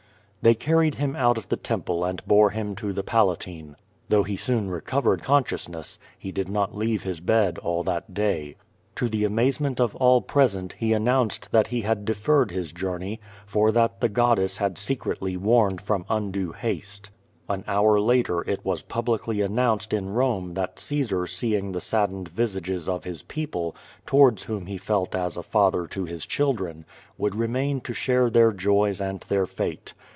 They carried him out of the temple and bore him to the Palatine. Though he soon recovered consciousness, he did not leave his bed all that day. To the amazement of all pres ent he announced that he had deferred his journey, for that the goddess had secretly warned from undue haste. An hour later it v/as publicly announced in Uome that Caesar seeing the saddened visages of his people, towards whom he felt as a father to his children, would remain to share their joys and their fate.